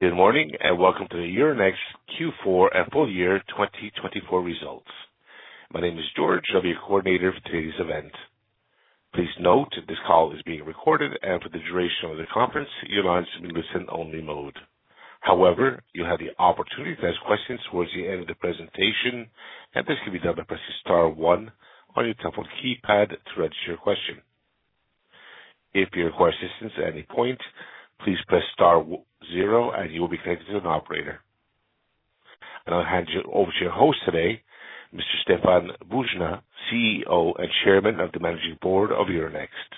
Good morning and welcome to the Euronext Q4 and full year 2024 results. My name is George. I'll be your coordinator for today's event. Please note that this call is being recorded and for the duration of the conference, you'll be in a listen-only mode. However, you'll have the opportunity to ask questions towards the end of the presentation, and this can be done by pressing star one on your telephone keypad to register your question. If you require assistance at any point, please press star zero and you will be connected to an operator. I'll hand you over to your host today, Mr. Stéphane Boujnah, CEO and Chairman of the Managing Board of Euronext.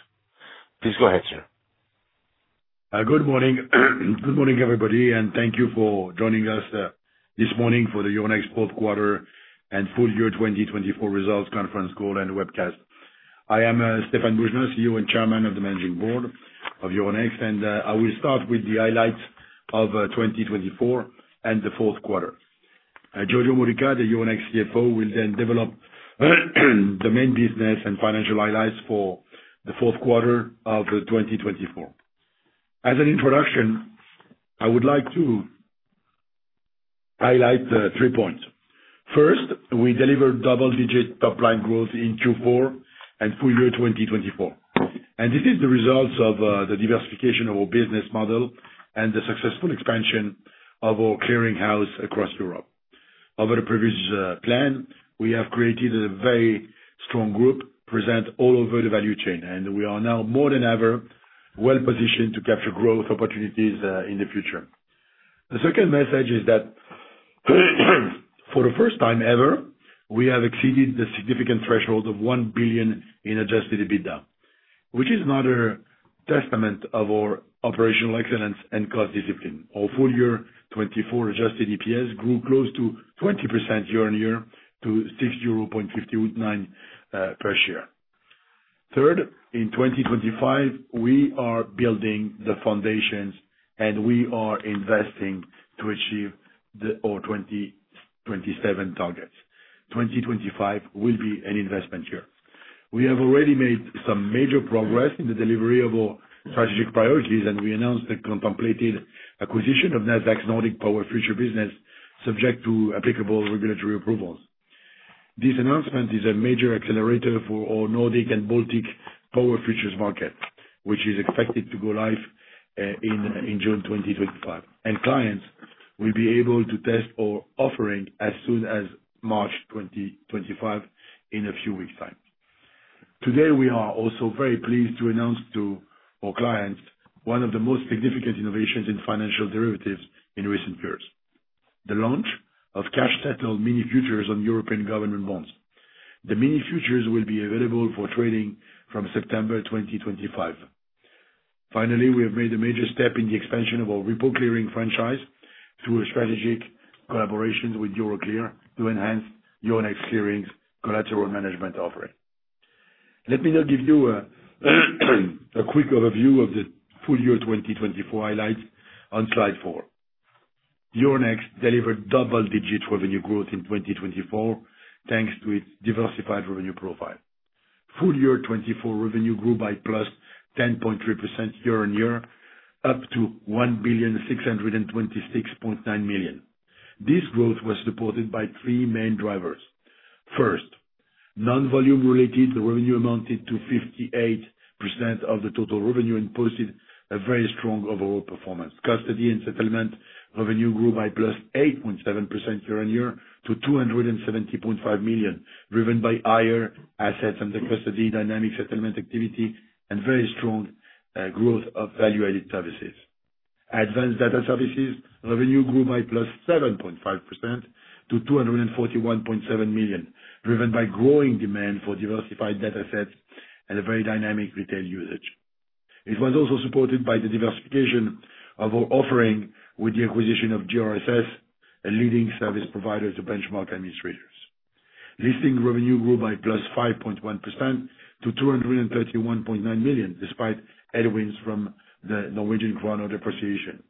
Please go ahead, sir. Good morning. Good morning, everybody, and thank you for joining us this morning for the Euronext fourth quarter and full year 2024 results conference, call, and webcast. I am Stéphane Boujnah, CEO and Chairman of the Managing Board of Euronext, and I will start with the highlights of 2024 and the fourth quarter. Giorgio Modica, the Euronext CFO, will then develop the main business and financial highlights for the fourth quarter of 2024. As an introduction, I would like to highlight three points. First, we delivered double-digit top-line growth in Q4 and full year 2024, and this is the result of the diversification of our business model and the successful expansion of our clearing house across Europe. Over the previous plan, we have created a very strong group present all over the value chain, and we are now more than ever well-positioned to capture growth opportunities in the future. The second message is that for the first time ever, we have exceeded the significant threshold of 1 billion in adjusted EBITDA, which is another testament of our operational excellence and cost discipline. Our full year 2024 adjusted EPS grew close to 20% year-on-year to 60.59 euro per share. Third, in 2025, we are building the foundations and we are investing to achieve our 2027 targets. 2025 will be an investment year. We have already made some major progress in the delivery of our strategic priorities, and we announced the contemplated acquisition of Nasdaq's Nordic power futures business, subject to applicable regulatory approvals. This announcement is a major accelerator for our Nordic and Baltic power futures market, which is expected to go live in June 2025, and clients will be able to test our offering as soon as March 2025 in a few weeks' time. Today, we are also very pleased to announce to our clients one of the most significant innovations in financial derivatives in recent years: the launch of cash-settled mini futures on European government bonds. The mini futures will be available for trading from September 2025. Finally, we have made a major step in the expansion of our repo-clearing franchise through a strategic collaboration with Euroclear to enhance Euronext Clearing's collateral management offering. Let me now give you a quick overview of the full year 2024 highlights on slide four. Euronext delivered double-digit revenue growth in 2024 thanks to its diversified revenue profile. Full year 2024 revenue grew by +10.3% year-on-year, up to 1,626.9 million. This growth was supported by three main drivers. First, non-volume-related revenue amounted to 58% of the total revenue and posted a very strong overall performance. Custody and settlement revenue grew by +8.7% year-on-year to 270.5 million, driven by higher assets and the custody dynamic settlement activity and very strong growth of value-added services. Advanced data services revenue grew by +7.5% to 241.7 million, driven by growing demand for diversified data sets and a very dynamic retail usage. It was also supported by the diversification of our offering with the acquisition of GRSS, a leading service provider to benchmark administrators. Listing revenue grew by +5.1% to 231.9 million, despite headwinds from the Norwegian Krone appreciation.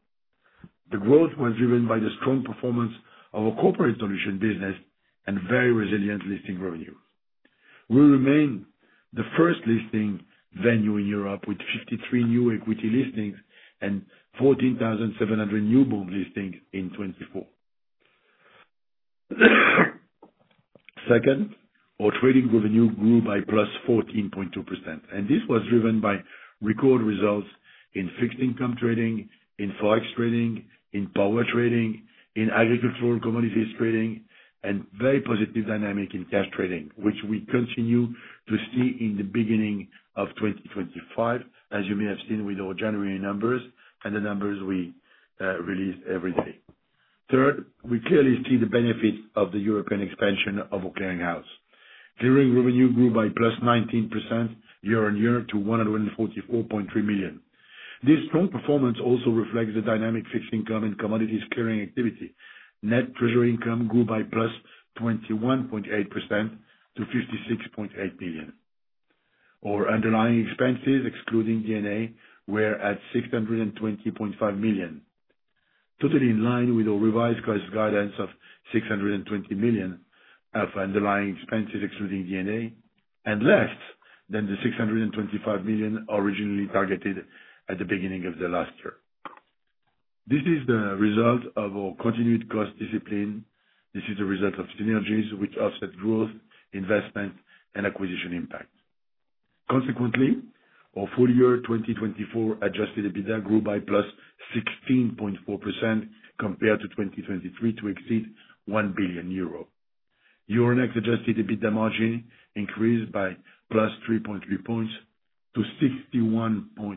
The growth was driven by the strong performance of our corporate solution business and very resilient listing revenue. We remain the first listing venue in Europe with 53 new equity listings and 14,700 new bond listings in 2024. Second, our trading revenue grew by +14.2%, and this was driven by record results in fixed income trading, in forex trading, in power trading, in agricultural commodities trading, and very positive dynamic in cash trading, which we continue to see in the beginning of 2025, as you may have seen with our January numbers and the numbers we release every day. Third, we clearly see the benefits of the European expansion of our clearing house. Clearing revenue grew by +19% year-on-year to 144.3 million. This strong performance also reflects the dynamic fixed income and commodities clearing activity. Net treasury income grew by +21.8% to 56.8 million. Our underlying expenses, excluding D&A, were at 620.5 million, totally in line with our revised cost guidance of 620 million of underlying expenses, excluding D&A, and less than the 625 million originally targeted at the beginning of the last year. This is the result of our continued cost discipline. This is the result of synergies which offset growth, investment, and acquisition impact. Consequently, our full year 2024 adjusted EBITDA grew by +16.4% compared to 2023 to exceed 1 billion euro. Euronext adjusted EBITDA margin increased by +3.3 points to 61.9%.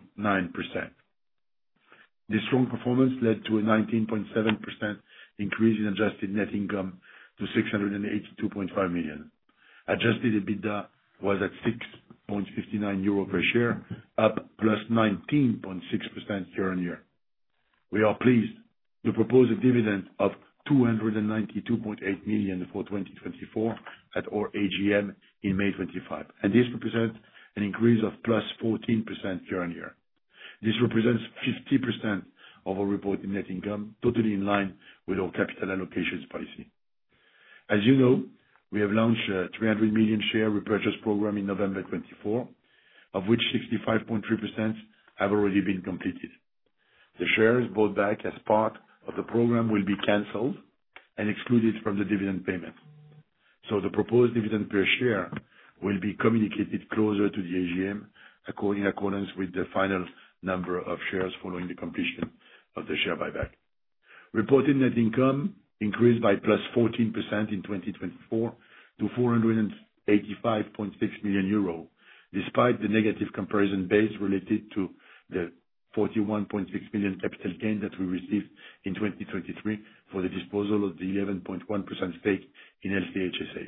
This strong performance led to a 19.7% increase in adjusted net income to 682.5 million. Adjusted EBITDA was at 6.59 euro per share, up +19.6% year-on-year. We are pleased to propose a dividend of 292.8 million for 2024 at our AGM in May 25, and this represents an increase of +14% year-on-year. This represents 50% of our reported net income, totally in line with our capital allocations policy. As you know, we have launched a 300 million share repurchase program in November 2024, of which 65.3% have already been completed. The shares bought back as part of the program will be canceled and excluded from the dividend payment. So the proposed dividend per share will be communicated closer to the AGM according to the final number of shares following the completion of the share buyback. Reported net income increased by +14% in 2024 to 485.6 million euro, despite the negative comparison base related to the 41.6 million capital gain that we received in 2023 for the disposal of the 11.1% stake in LCH SA.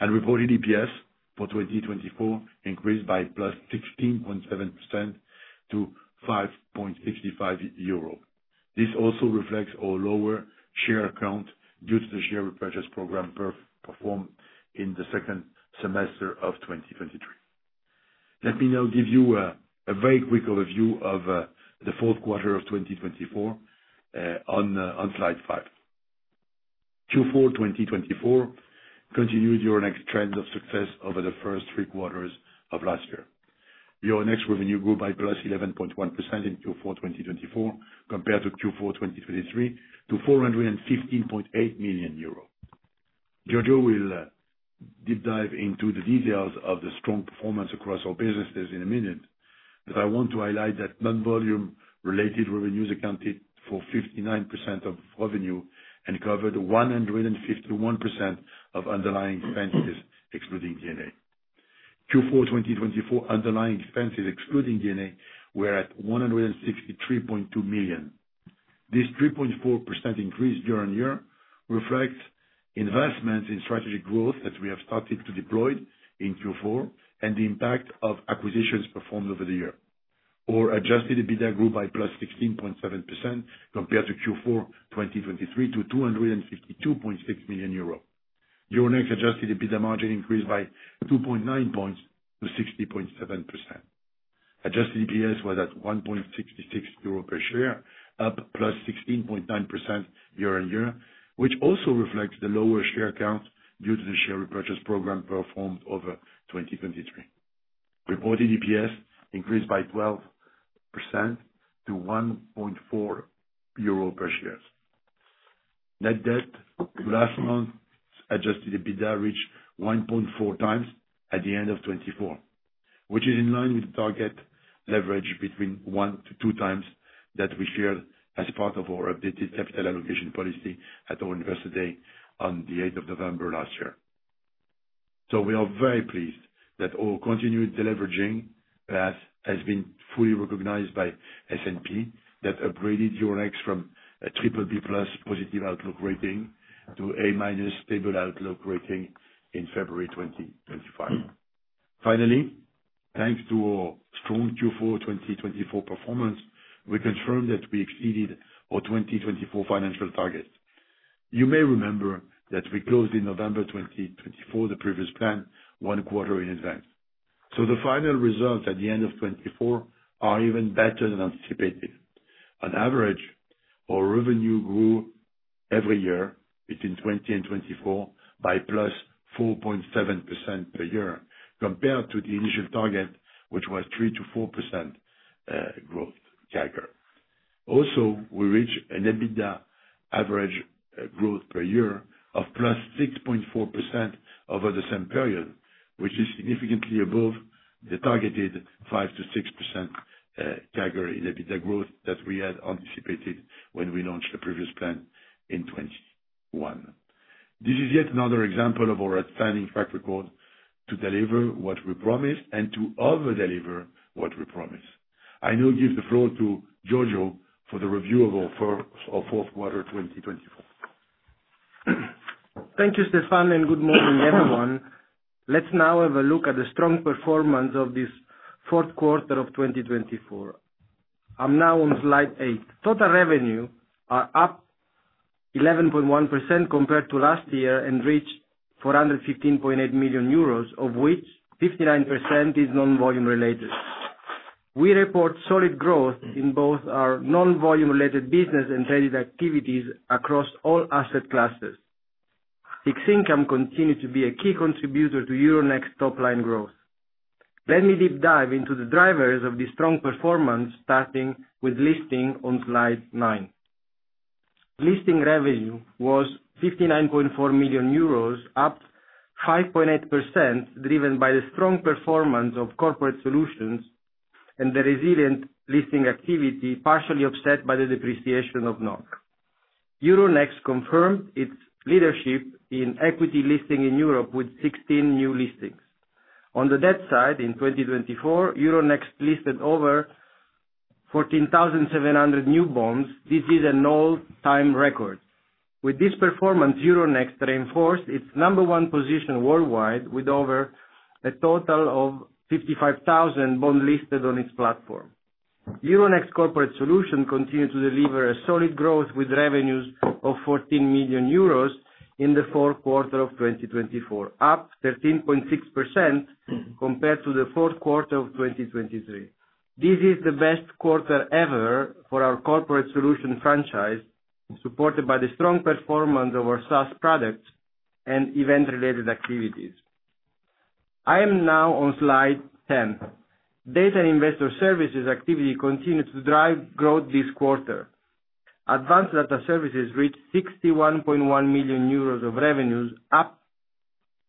And reported EPS for 2024 increased by +16.7% to 5.65 euro. This also reflects our lower share count due to the share repurchase program performed in the second semester of 2023. Let me now give you a very quick overview of the fourth quarter of 2024 on slide five. Q4 2024 continued Euronext trends of success over the first three quarters of last year. Euronext revenue grew by 11.1% in Q4 2024 compared to Q4 2023 to 415.8 million euro. Giorgio will deep dive into the details of the strong performance across our businesses in a minute, but I want to highlight that non-volume-related revenues accounted for 59% of revenue and covered 151% of underlying expenses, excluding D&A. Q4 2024 underlying expenses, excluding D&A, were at 163.2 million. This 3.4% increase year-on-year reflects investments in strategic growth that we have started to deploy in Q4 and the impact of acquisitions performed over the year. Our adjusted EBITDA grew by +16.7% compared to Q4 2023 to 252.6 million euro. Euronext adjusted EBITDA margin increased by 2.9 points to 60.7%. Adjusted EPS was at 1.66 euro per share, up +16.9% year-on-year, which also reflects the lower share count due to the share repurchase program performed over 2023. Reported EPS increased by 12% to 1.4 euro per share. Net debt to last month adjusted EBITDA reached 1.4x at the end of 2024, which is in line with the target leverage between one to two times that we shared as part of our updated capital allocation policy at our anniversary day on the 8th of November last year. So we are very pleased that our continued leveraging path has been fully recognized by S&P that upgraded Euronext from a BBB+ positive outlook rating to A- stable outlook rating in February 2025. Finally, thanks to our strong Q4 2024 performance, we confirmed that we exceeded our 2024 financial target. You may remember that we closed in November 2024 the previous plan one quarter in advance. So the final results at the end of 2024 are even better than anticipated. On average, our revenue grew every year between 2020 and 2024 by +4.7% per year compared to the initial target, which was 3%-4% growth. Also, we reached an EBITDA average growth per year of +6.4% over the same period, which is significantly above the targeted 5%-6% CAGR in EBITDA growth that we had anticipated when we launched the previous plan in 2021. This is yet another example of our outstanding track record to deliver what we promised and to overdeliver what we promised. I now give the floor to Giorgio for the review of our fourth quarter 2024. Thank you, Stéphane, and good morning, everyone. Let's now have a look at the strong performance of this fourth quarter of 2024. I'm now on slide eight. Total revenue is up 11.1% compared to last year and reached 415.8 million euros, of which 59% is non-volume-related. We report solid growth in both our non-volume-related business and traded activities across all asset classes. Fixed income continues to be a key contributor to Euronext's top-line growth. Let me deep dive into the drivers of this strong performance, starting with listing on slide nine. Listing revenue was 59.4 million euros, up 5.8%, driven by the strong performance of corporate solutions and the resilient listing activity, partially offset by the depreciation of NOK. Euronext confirmed its leadership in equity listing in Europe with 16 new listings. On the debt side, in 2024, Euronext listed over 14,700 new bonds. This is an all-time record. With this performance, Euronext reinforced its number one position worldwide with over a total of 55,000 bonds listed on its platform. Euronext Corporate Solutions continues to deliver solid growth with revenues of 14 million euros in the fourth quarter of 2024, up 13.6% compared to the fourth quarter of 2023. This is the best quarter ever for our corporate solution franchise, supported by the strong performance of our SaaS products and event-related activities. I am now on slide 10. Data Investor Services activity continues to drive growth this quarter. Advanced data services reached 61.1 million euros of revenues, up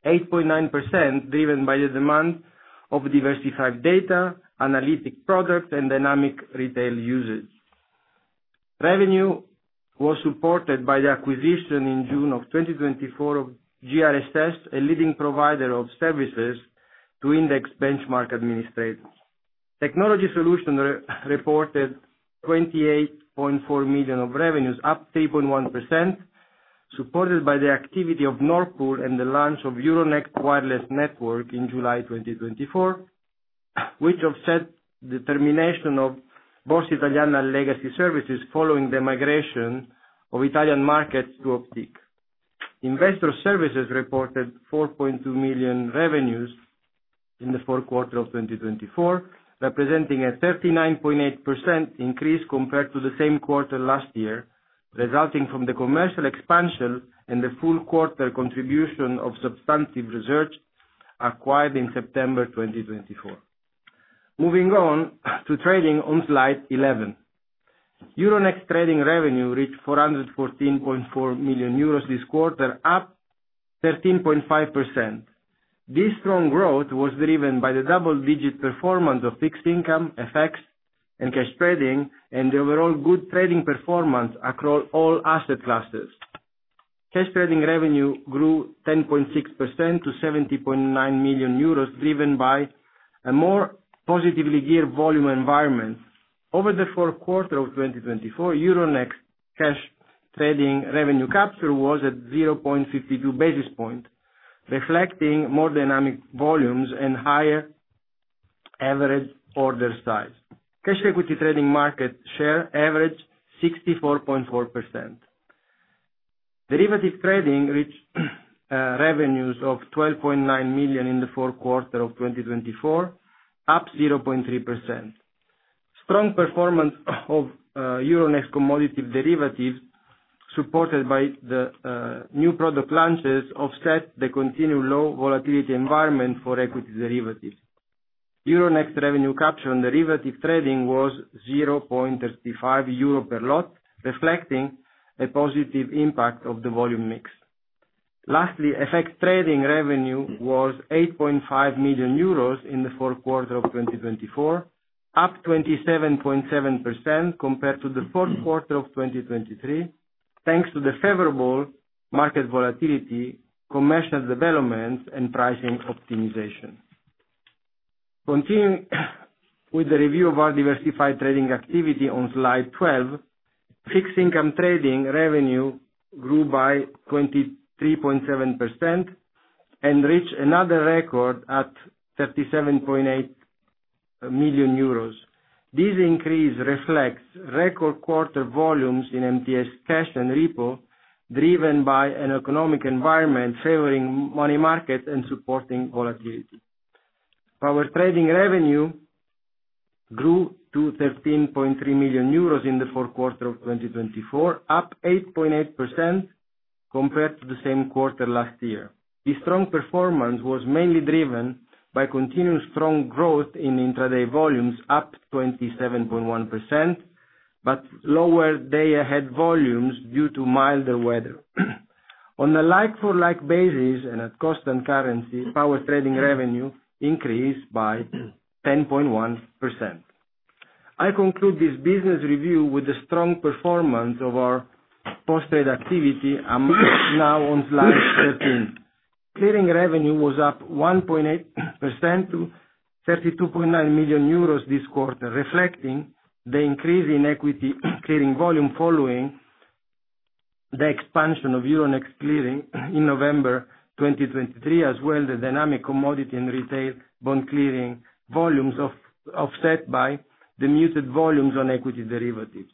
8.9%, driven by the demand of diversified data, analytic products, and dynamic retail usage. Revenue was supported by the acquisition in June of 2024 of GRSS, a leading provider of services to benchmark administrators. Technology Solutions reported 28.4 million in revenues, up 3.1%, supported by the activity of Nord Pool and the launch of Euronext Wireless Network in July 2024, which offset the termination of Borsa Italiana legacy services following the migration of Italian markets to Optiq. Investor Services reported 4.2 million in revenues in the fourth quarter of 2024, representing a 39.8% increase compared to the same quarter last year, resulting from the commercial expansion and the full quarter contribution of Substantive Research acquired in September 2024. Moving on to trading on slide 11, Euronext trading revenue reached 414.4 million euros this quarter, up 13.5%. This strong growth was driven by the double-digit performance of fixed income, FX, and cash trading, and the overall good trading performance across all asset classes. Cash trading revenue grew 10.6% to 70.9 million euros, driven by a more positively geared volume environment. Over the fourth quarter of 2024, Euronext cash trading revenue capture was at 0.52 basis points, reflecting more dynamic volumes and higher average order size. Cash equity trading market share averaged 64.4%. Derivative trading reached revenues of 12.9 million EUR in the fourth quarter of 2024, up 0.3%. Strong performance of Euronext commodity derivatives, supported by the new product launches, offset the continued low volatility environment for equity derivatives. Euronext revenue capture on derivative trading was 0.35 euro per lot, reflecting a positive impact of the volume mix. Lastly, FX trading revenue was 8.5 million euros in the fourth quarter of 2024, up 27.7% compared to the fourth quarter of 2023, thanks to the favorable market volatility, commercial developments, and pricing optimization. Continuing with the review of our diversified trading activity on slide 12, fixed income trading revenue grew by 23.7% and reached another record at 37.8 million euros. This increase reflects record quarter volumes in MTS Cash and Repo, driven by an economic environment favoring money markets and supporting volatility. Power trading revenue grew to 13.3 million euros in the fourth quarter of 2024, up 8.8% compared to the same quarter last year. This strong performance was mainly driven by continued strong growth in intraday volumes, up 27.1%, but lower day-ahead volumes due to milder weather. On a like-for-like basis and at cost and currency, power trading revenue increased by 10.1%. I conclude this business review with the strong performance of our post-trade activity, now on slide 13. Clearing revenue was up 1.8% to 32.9 million euros this quarter, reflecting the increase in equity clearing volume following the expansion of Euronext Clearing in November 2023, as well as the dynamic commodity and retail bond clearing volumes offset by the muted volumes on equity derivatives.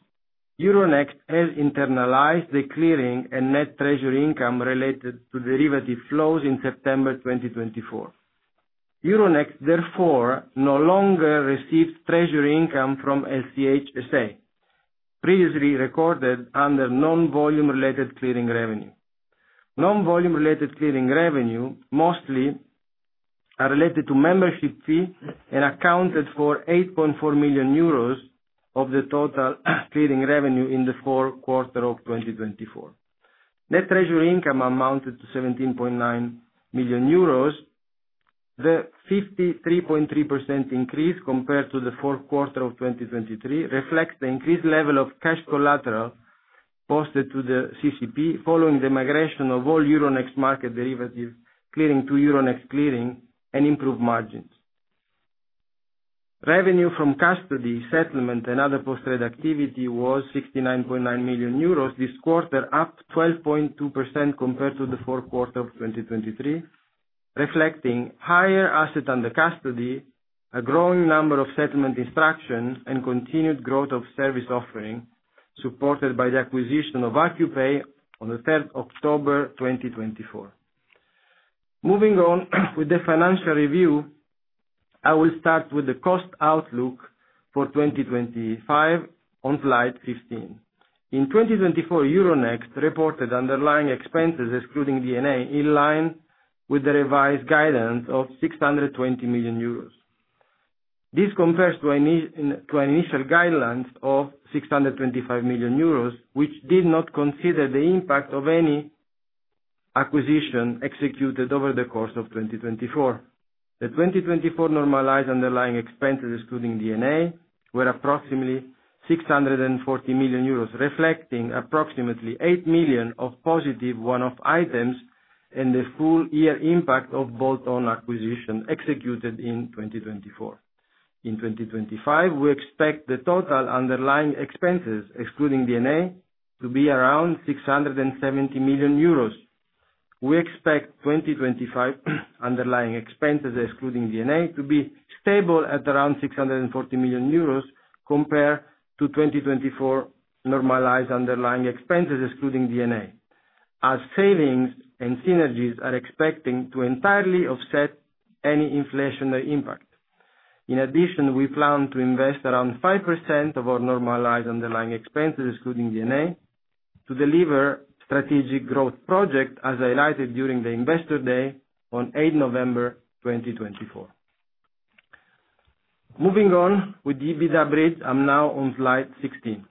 Euronext has internalized the clearing and net treasury income related to derivative flows in September 2024. Euronext, therefore, no longer receives treasury income from LCH SA, previously recorded under non-volume-related clearing revenue. Non-volume-related clearing revenue mostly related to membership fees and accounted for 8.4 million euros of the total clearing revenue in the fourth quarter of 2024. Net treasury income amounted to 17.9 million euros, the 53.3% increase compared to the fourth quarter of 2023, reflects the increased level of cash collateral posted to the CCP following the migration of all Euronext market derivatives clearing to Euronext Clearing and improved margins. Revenue from custody settlement and other post-trade activity was 69.9 million euros this quarter, up 12.2% compared to the fourth quarter of 2023, reflecting higher asset under custody, a growing number of settlement instructions, and continued growth of service offering, supported by the acquisition of Acupay on the 3rd of October 2024. Moving on with the financial review, I will start with the cost outlook for 2025 on slide 15. In 2024, Euronext reported underlying expenses, excluding D&A, in line with the revised guidance of 620 million euros. This compares to an initial guidance of 625 million euros, which did not consider the impact of any acquisition executed over the course of 2024. The 2024 normalized underlying expenses, excluding D&A, were approximately 640 million euros, reflecting approximately eight million of positive one-off items and the full year impact of bolt-on acquisition executed in 2024. In 2025, we expect the total underlying expenses, excluding D&A, to be around 670 million euros. We expect 2025 underlying expenses, excluding D&A, to be stable at around 640 million euros compared to 2024 normalized underlying expenses, excluding D&A, as savings and synergies are expected to entirely offset any inflationary impact. In addition, we plan to invest around 5% of our normalized underlying expenses, excluding D&A, to deliver strategic growth projects, as highlighted during the Investor Day on 8 November 2024. Moving on with EBITDA bridge, I'm now on slide 16.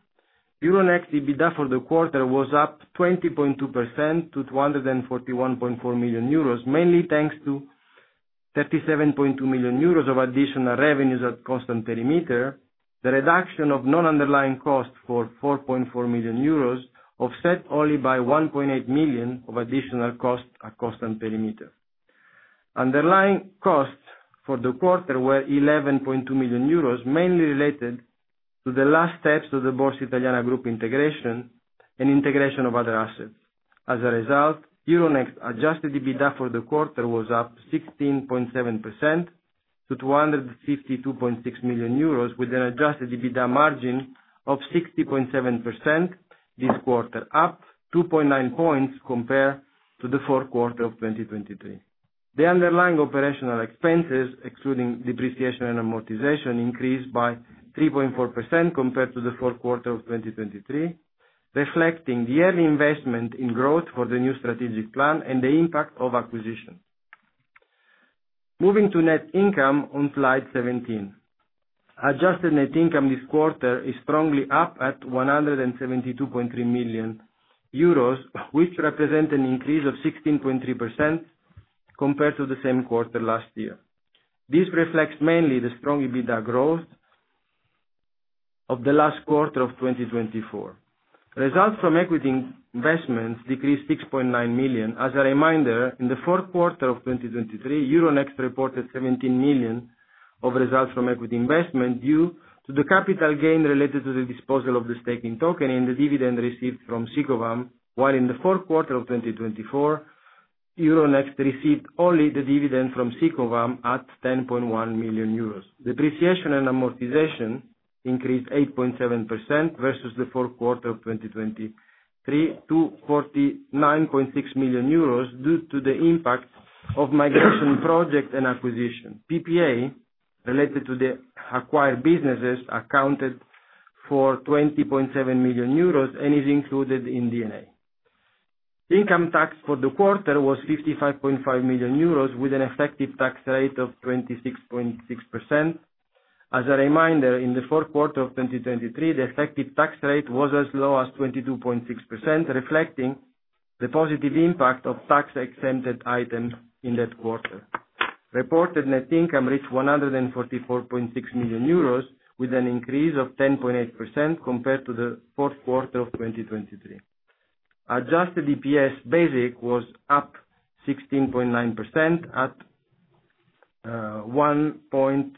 Euronext EBITDA for the quarter was up 20.2% to 241.4 million euros, mainly thanks to 37.2 million euros of additional revenues at constant perimeter. The reduction of non-underlying costs for 4.4 million euros offset only by 1.8 million of additional costs at constant perimeter. Underlying costs for the quarter were 11.2 million euros, mainly related to the last steps of the Borsa Italiana Group integration and integration of other assets. As a result, Euronext adjusted EBITDA for the quarter was up 16.7% to 252.6 million euros, with an adjusted EBITDA margin of 60.7% this quarter, up 2.9 points compared to the fourth quarter of 2023. The underlying operational expenses, excluding depreciation and amortization, increased by 3.4% compared to the fourth quarter of 2023, reflecting the early investment in growth for the new strategic plan and the impact of acquisition. Moving to net income on slide 17, adjusted net income this quarter is strongly up at 172.3 million euros, which represents an increase of 16.3% compared to the same quarter last year. This reflects mainly the strong EBITDA growth of the last quarter of 2024. Results from equity investments decreased 6.9 million. As a reminder, in the fourth quarter of 2023, Euronext reported 17 million of results from equity investment due to the capital gain related to the disposal of the stake in Tokeny and the dividend received from Sicovam, while in the fourth quarter of 2024, Euronext received only the dividend from Sicovam at 10.1 million euros. Depreciation and amortization increased 8.7% versus the fourth quarter of 2023 to 49.6 million euros due to the impact of migration projects and acquisition. PPA related to the acquired businesses accounted for 20.7 million euros and is included in D&A. Income tax for the quarter was 55.5 million euros with an effective tax rate of 26.6%. As a reminder, in the fourth quarter of 2023, the effective tax rate was as low as 22.6%, reflecting the positive impact of tax-exempted items in that quarter. Reported net income reached 144.6 million euros with an increase of 10.8% compared to the fourth quarter of 2023. Adjusted EPS basic was up 16.9% at 1.66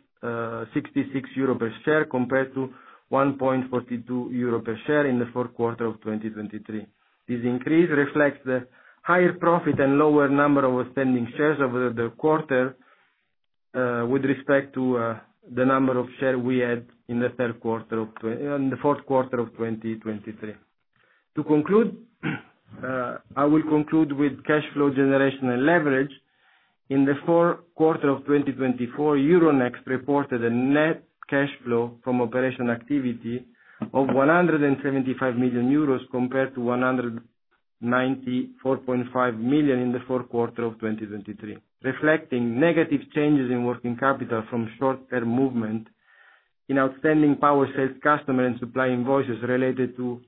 euro per share compared to 1.42 euro per share in the fourth quarter of 2023. This increase reflects the higher profit and lower number of outstanding shares over the quarter with respect to the number of shares we had in the fourth quarter of 2023. To conclude, I will conclude with cash flow generation and leverage. In the fourth quarter of 2024, Euronext reported a net cash flow from operational activity of 175 million euros compared to 194.5 million in the fourth quarter of 2023, reflecting negative changes in working capital from short-term movement in outstanding power sales customer and supply invoices related to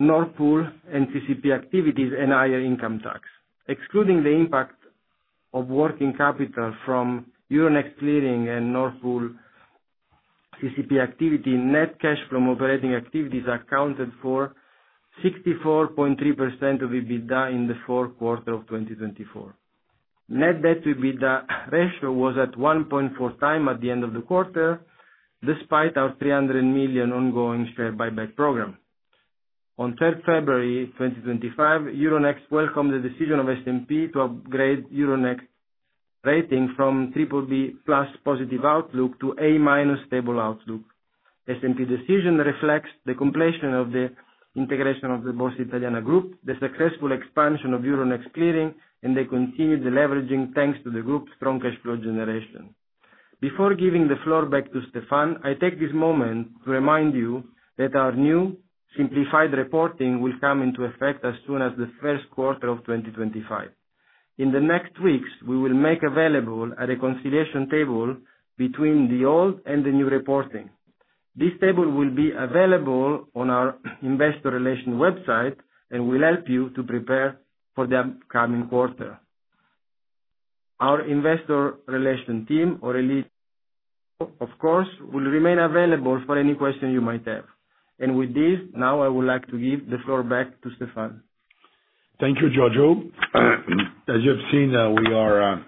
Nord Pool and CCP activities and higher income tax. Excluding the impact of working capital from Euronext Clearing and Nord Pool CCP activity, net cash from operating activities accounted for 64.3% of EBITDA in the fourth quarter of 2024. Net debt to EBITDA ratio was at 1.4x at the end of the quarter, despite our 300 million ongoing share buyback program. On 3rd February 2025, Euronext welcomed the decision of S&P to upgrade Euronext rating from BBB+ positive outlook to A- stable outlook. S&P decision reflects the completion of the integration of the Borsa Italiana Group, the successful expansion of Euronext Clearing, and the continued leveraging thanks to the group's strong cash flow generation. Before giving the floor back to Stéphane, I take this moment to remind you that our new simplified reporting will come into effect as soon as the first quarter of 2025. In the next weeks, we will make available a reconciliation table between the old and the new reporting. This table will be available on our Investor Relations website and will help you to prepare for the upcoming quarter. Our Investor Relations team, Aurélie, of course, will remain available for any questions you might have, and with this, now I would like to give the floor back to Stéphane. Thank you, Giorgio. As you have seen, we are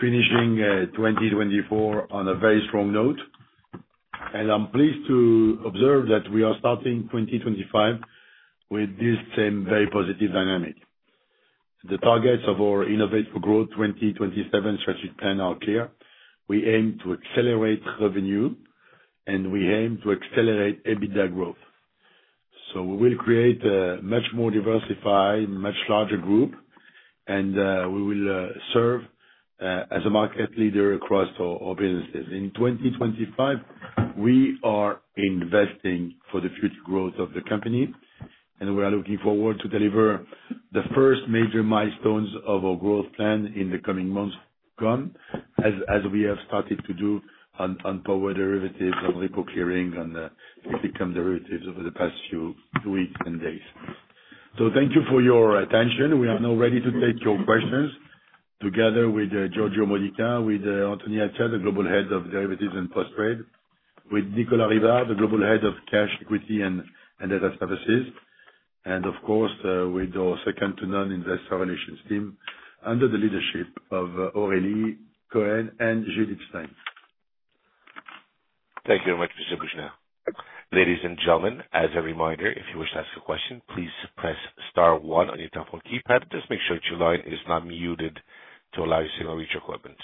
finishing 2024 on a very strong note, and I'm pleased to observe that we are starting 2025 with this same very positive dynamic. The targets of our Innovate for Growth 2027 strategic plan are clear. We aim to accelerate revenue, and we aim to accelerate EBITDA growth, so we will create a much more diversified, much larger group, and we will serve as a market leader across our businesses. In 2025, we are investing for the future growth of the company, and we are looking forward to deliver the first major milestones of our growth plan in the coming months to come, as we have started to do on power derivatives, on repo clearing, on fixed income derivatives over the past few weeks and days. So thank you for your attention. We are now ready to take your questions together with Giorgio Modica, with Anthony Attia, the Global Head of Derivatives and Post-Trade, with Nicolas Rivard, the Global Head of Cash, Equity, and Data Services, and of course, with our second-to-none Investor Relations team under the leadership of Aurélie Cohen and Judith Stein. Thank you very much, Mr. Boujnah. Ladies and gentlemen, as a reminder, if you wish to ask a question, please press star one on your telephone keypad. Just make sure that your line is not muted to allow you to reach your equipment.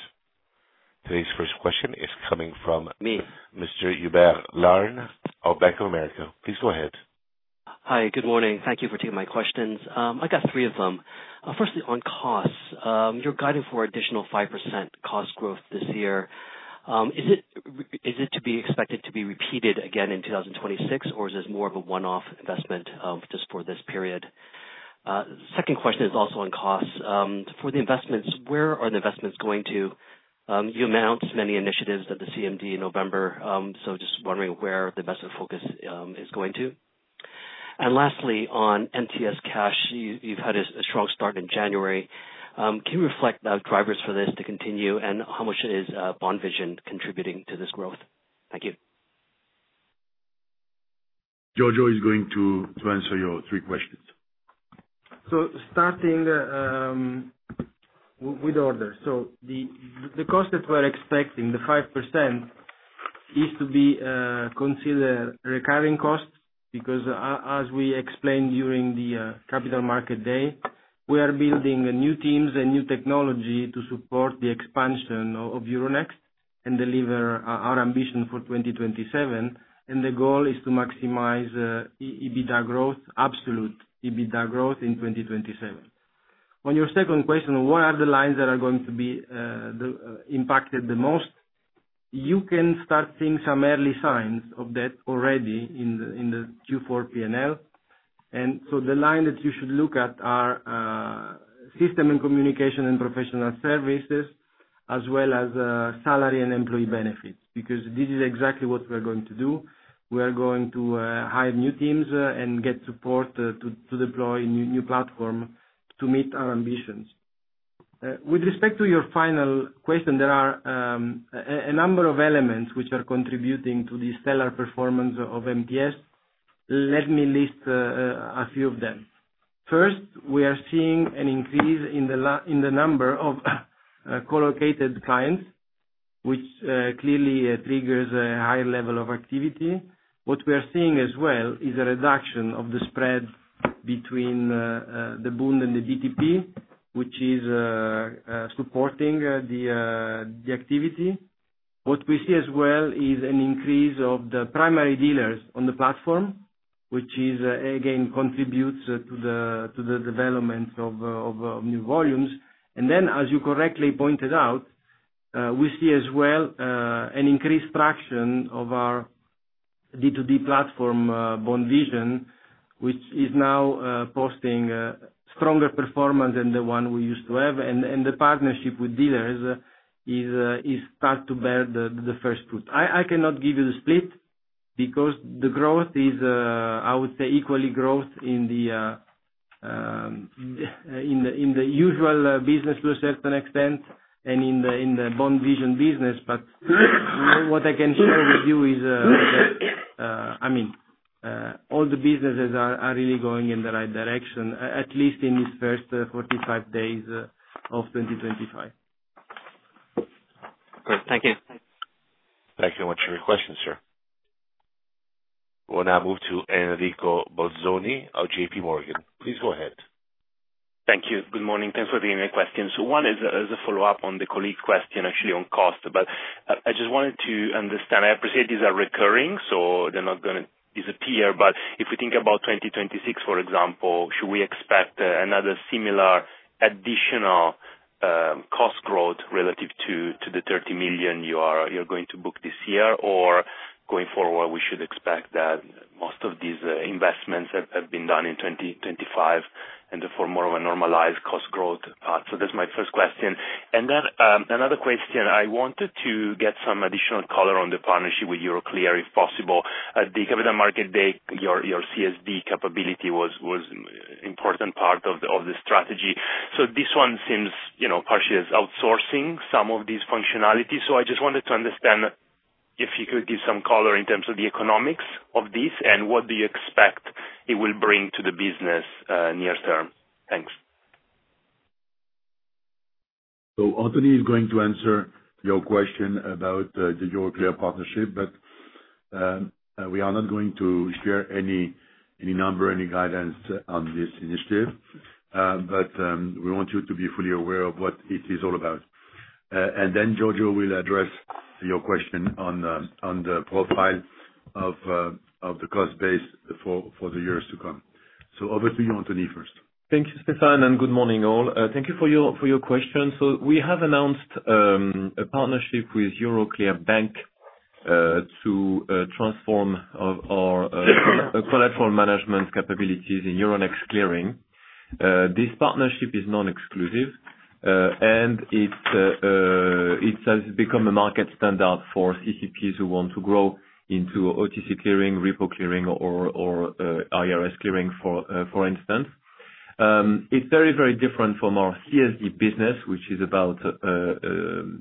Today's first question is coming from me. Mr. Hubert Lam of Bank of America. Please go ahead. Hi. Good morning. Thank you for taking my questions. I got three of them. Firstly, on costs, you're guiding for an additional 5% cost growth this year. Is it to be expected to be repeated again in 2026, or is this more of a one-off investment just for this period? Second question is also on costs. For the investments, where are the investments going to? You announced many initiatives at the CMD in November, so just wondering where the investment focus is going to. And lastly, on MTS Cash, you've had a strong start in January. Can you reflect the drivers for this to continue, and how much is BondVision contributing to this growth? Thank you. Giorgio is going to answer your three questions. Starting with orders, the cost that we're expecting, the 5%, is to be considered recurring costs because, as we explained during the Capital Market Day, we are building new teams and new technology to support the expansion of Euronext and deliver our ambition for 2027. The goal is to maximize EBITDA growth, absolute EBITDA growth in 2027. On your second question, what are the lines that are going to be impacted the most? You can start seeing some early signs of that already in the Q4 P&L. The line that you should look at are systems and communications and professional services, as well as salary and employee benefits, because this is exactly what we're going to do. We are going to hire new teams and get support to deploy a new platform to meet our ambitions. With respect to your final question, there are a number of elements which are contributing to the stellar performance of MTS. Let me list a few of them. First, we are seeing an increase in the number of co-located clients, which clearly triggers a higher level of activity. What we are seeing as well is a reduction of the spread between the Bund and the BTP, which is supporting the activity. What we see as well is an increase of the primary dealers on the platform, which again contributes to the development of new volumes. And then, as you correctly pointed out, we see as well an increased traction of our D2C platform, BondVision, which is now posting stronger performance than the one we used to have. And the partnership with dealers is starting to bear the first fruit. I cannot give you the split because the growth is, I would say, equally growth in the usual business to a certain extent and in the BondVision business. But what I can share with you is that, I mean, all the businesses are really going in the right direction, at least in these first 45 days of 2025. Great. Thank you. Thank you very much for your questions, sir. We'll now move to Enrico Bolzoni, JPMorgan. Please go ahead. Thank you. Good morning. Thanks for the question. So one is a follow-up on the colleague's question, actually, on cost. But I just wanted to understand. I appreciate these are recurring, so they're not going to disappear. If we think about 2026, for example, should we expect another similar additional cost growth relative to the 30 million you're going to book this year, or going forward, we should expect that most of these investments have been done in 2025 and for more of a normalized cost growth? That's my first question. Then another question. I wanted to get some additional color on the partnership with Euroclear, if possible. At the Capital Market Day, your CSD capability was an important part of the strategy. This one seems partially as outsourcing some of these functionalities. I just wanted to understand if you could give some color in terms of the economics of this and what do you expect it will bring to the business near term. Thanks. Anthony is going to answer your question about the Euroclear partnership, but we are not going to share any number, any guidance on this initiative. But we want you to be fully aware of what it is all about. Giorgio will address your question on the profile of the cost base for the years to come. Over to you, Anthony, first. Thank you, Stéphane, and good morning, all. Thank you for your question. We have announced a partnership with Euroclear Bank to transform our collateral management capabilities in Euronext Clearing. This partnership is non-exclusive, and it has become a market standard for CCPs who want to grow into OTC Clearing, Repo Clearing, or IRS Clearing, for instance. It is very, very different from our CSD business, which is about the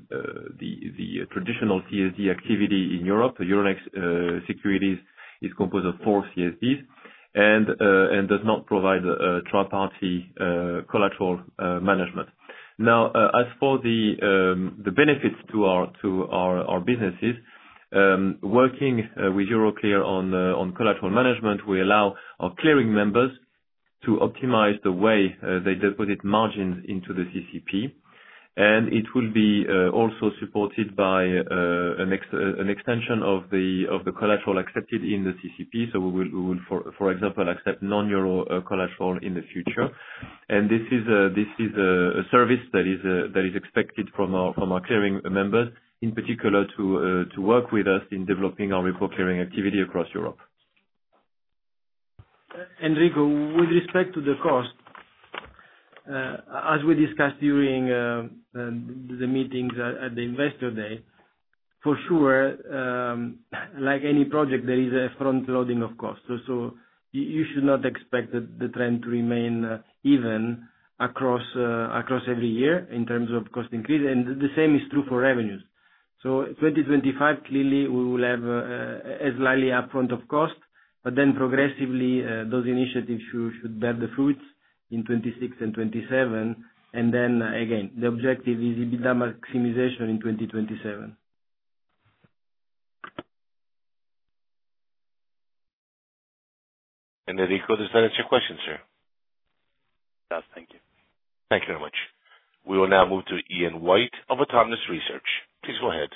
traditional CSD activity in Europe. Euronext Securities is composed of four CSDs and does not provide tri-party collateral management. Now, as for the benefits to our businesses, working with Euroclear on collateral management will allow our clearing members to optimize the way they deposit margins into the CCP, and it will be also supported by an extension of the collateral accepted in the CCP, so we will, for example, accept non-Euro collateral in the future. This is a service that is expected from our clearing members, in particular, to work with us in developing our repo clearing activity across Europe. Enrico, with respect to the cost, as we discussed during the meetings at the Investor Day, for sure, like any project, there is a front-loading of costs, so you should not expect the trend to remain even across every year in terms of cost increase, and the same is true for revenues. So 2025, clearly, we will have a slightly upfront of cost, but then progressively, those initiatives should bear the fruits in 2026 and 2027. And then again, the objective is EBITDA maximization in 2027. Enrico, does that answer your question, sir? Does. Thank you. Thank you very much. We will now move to Ian White of Autonomous Research. Please go ahead.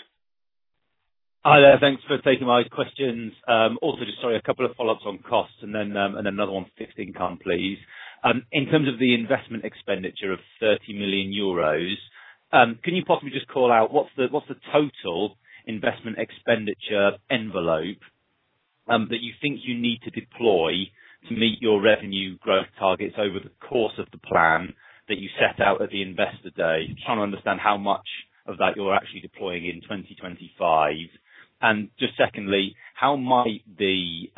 Hi. Thanks for taking my questions. Also, just sorry, a couple of follow-ups on costs and then another one for fixed income, please. In terms of the investment expenditure of 30 million euros, can you possibly just call out what's the total investment expenditure envelope that you think you need to deploy to meet your revenue growth targets over the course of the plan that you set out at the investor day? Just trying to understand how much of that you're actually deploying in 2025. And just secondly, how might the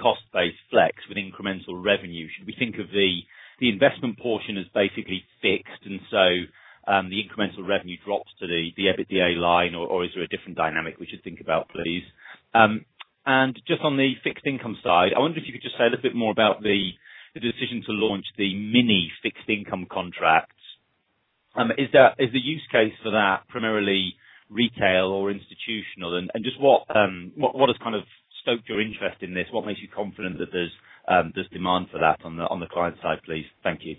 cost base flex with incremental revenue? Should we think of the investment portion as basically fixed and so the incremental revenue drops to the EBITDA line, or is there a different dynamic we should think about, please? And just on the fixed income side, I wonder if you could just say a little bit more about the decision to launch the mini fixed income contracts. Is the use case for that primarily retail or institutional? And just what has kind of stoked your interest in this? What makes you confident that there's demand for that on the client side, please? Thank you.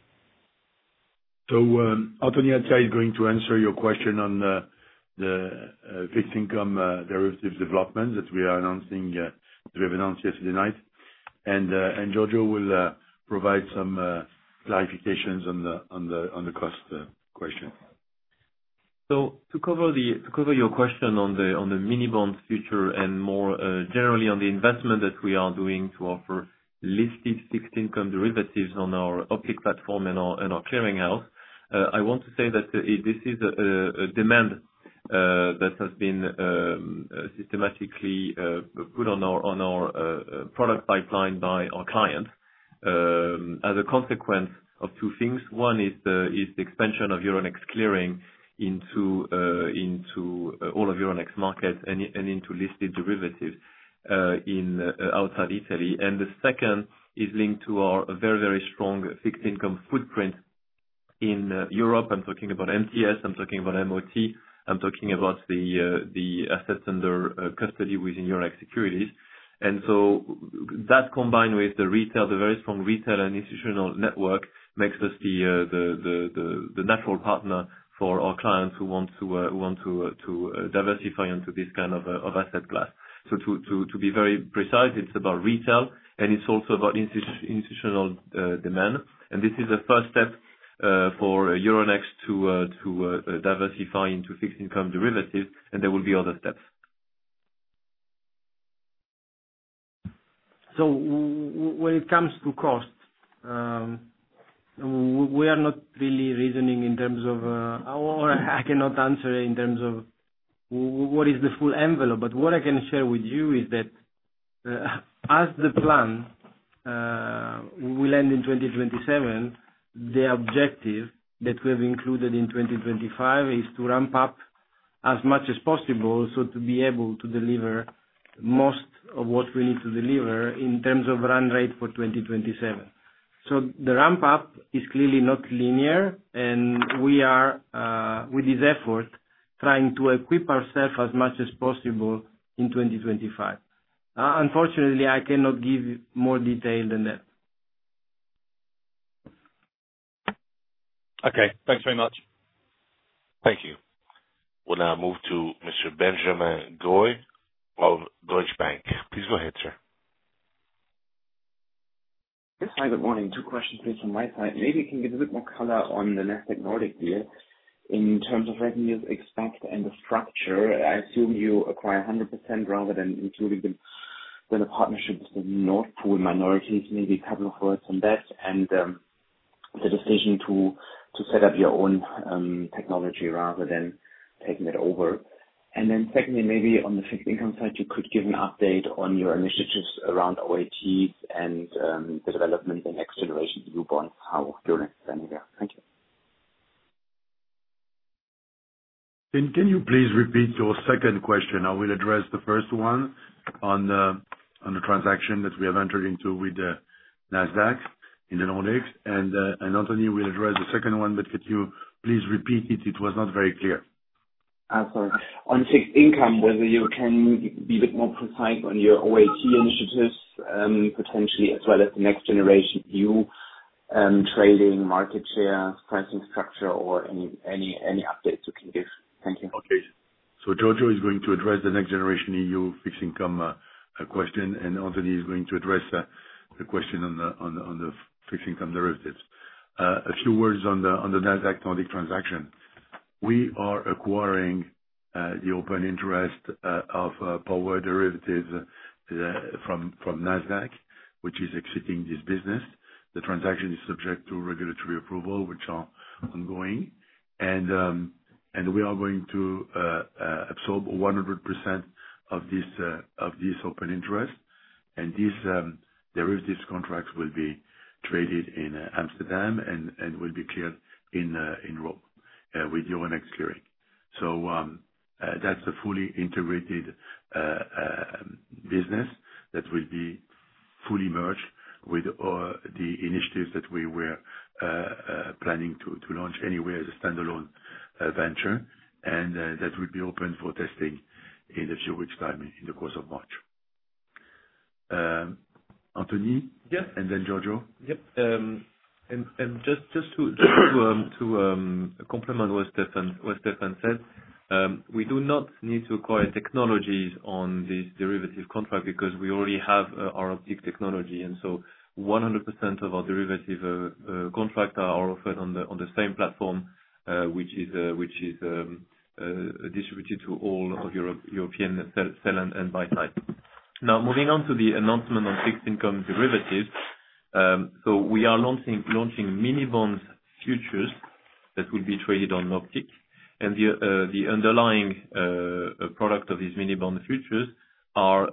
So Anthony Attia is going to answer your question on the fixed income derivatives development that we are announcing that we have announced yesterday night. And Giorgio will provide some clarifications on the cost question. So to cover your question on the mini bond future and more generally on the investment that we are doing to offer listed fixed income derivatives on our Optiq platform and our clearinghouse, I want to say that this is a demand that has been systematically put on our product pipeline by our clients as a consequence of two things. One is the expansion of Euronext Clearing into all of Euronext markets and into listed derivatives outside Italy. And the second is linked to our very, very strong fixed income footprint in Europe. I'm talking about MTS. I'm talking about MOT. I'm talking about the assets under custody within Euronext Securities. And so that combined with the retail, the very strong retail and institutional network, makes us the natural partner for our clients who want to diversify into this kind of asset class. To be very precise, it's about retail, and it's also about institutional demand. This is the first step for Euronext to diversify into fixed income derivatives, and there will be other steps. When it comes to cost, we are not really reasoning in terms of, or I cannot answer in terms of what is the full envelope. But what I can share with you is that as the plan will end in 2027, the objective that we have included in 2025 is to ramp up as much as possible so to be able to deliver most of what we need to deliver in terms of run rate for 2027. The ramp-up is clearly not linear, and we are, with this effort, trying to equip ourselves as much as possible in 2025. Unfortunately, I cannot give more detail than that. Okay. Thanks very much. Thank you. We'll now move to Mr. Benjamin Goy of Deutsche Bank. Please go ahead, sir. Yes. Hi. Good morning. Two questions, please, from my side. Maybe you can give a bit more color on the Nasdaq Nordic deal in terms of revenues expected and the structure. I assume you acquire 100% rather than including them in a partnership with the Nord Pool minorities. Maybe a couple of words on that and the decision to set up your own technology rather than taking it over. And then secondly, maybe on the fixed income side, you could give an update on your initiatives around OATs and the development NextGenerationEU bonds, how you're expanding there. Thank you. Can you please repeat your second question? I will address the first one on the transaction that we have entered into with Nasdaq in the Nordics. Anthony will address the second one, but could you please repeat it? It was not very clear. Sorry. On fixed income, whether you can be a bit more precise on your OAT initiatives potentially, as well as the next generation EU trading, market share, pricing structure, or any updates you can give. Thank you. Okay. So Giorgio is going to address the next generation EU fixed income question, and Anthony is going to address the question on the fixed income derivatives. A few words on the Nasdaq Nordic transaction. We are acquiring the open interest of power derivatives from Nasdaq, which is exciting this business. The transaction is subject to regulatory approval, which are ongoing. And we are going to absorb 100% of this open interest. And these derivatives contracts will be traded in Amsterdam and will be cleared in Rome with Euronext Clearing. That's a fully integrated business that will be fully merged with the initiatives that we were planning to launch anyway as a standalone venture, and that will be open for testing in a few weeks' time in the course of March. Anthony? Yes. And then Giorgio? Yep. And just to complement what Stéphane said, we do not need to acquire technologies on this derivative contract because we already have our Optiq technology. And so 100% of our derivative contracts are offered on the same platform, which is distributed to all of your European sell and buy side. Now, moving on to the announcement on fixed income derivatives. We are launching mini bond futures that will be traded on Optiq. And the underlying product of these mini bond futures are